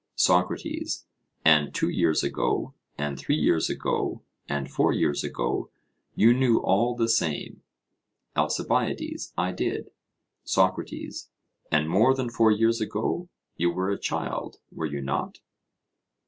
SOCRATES: And two years ago, and three years ago, and four years ago, you knew all the same? ALCIBIADES: I did. SOCRATES: And more than four years ago you were a child were you not?